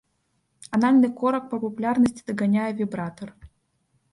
Анальны корак па папулярнасці даганяе вібратар.